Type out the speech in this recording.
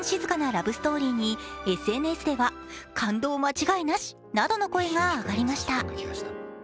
ラブストーリーにＳＮＳでは感動間違いなしなどの声が上がりました。